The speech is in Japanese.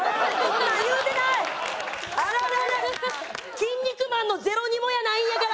『キン肉マン』のジェロニモやないんやから！